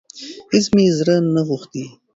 هيڅ مي زړه نه غوښتی .